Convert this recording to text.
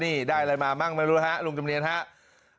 นี่ได้อะไรมามั่งไม่รู้ฮะลุงจำเนียนครับ